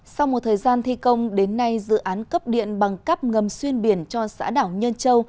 sau một thời gian thi công đến nay dự án cấp điện bằng cắp ngầm xuyên biển cho xã đảo nhân châu